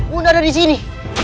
bunda ada disini